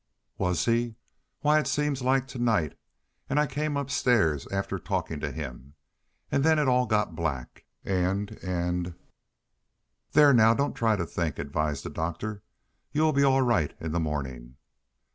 "Was he? Why, it seems like to night. And I came upstairs after talking to him, and then it all got black, and and " "There, now; don't try to think," advised the doctor. "You'll be all right in the morning."